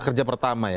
kerja pertama ya